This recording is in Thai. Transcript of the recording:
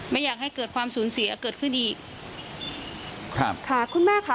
ไม่อยากให้เกิดความสูญเสียเกิดขึ้นอีกครับค่ะคุณแม่ค่ะ